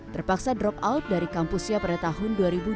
terpaksa drop out dari kampusnya pada tahun dua ribu dua puluh